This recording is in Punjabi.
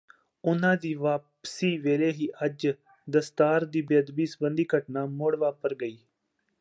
ਉਨ੍ਹਾਂ ਦੀ ਵਾਪਸੀ ਵੇਲੇ ਹੀ ਅੱਜ ਦਸਤਾਰ ਦੀ ਬੇਅਦਬੀ ਸਬੰਧੀ ਘਟਨਾ ਮੁੜ ਵਾਪਰ ਗਈ